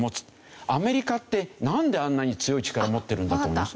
アメリカってなんであんなに強い力を持ってるんだと思います？